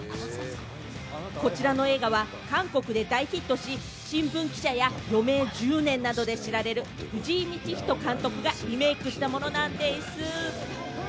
こちらの映画は韓国で大ヒットし、『新聞記者』や『余命１０年』などで知られる藤井道人監督がリメイクしたものなんでぃす！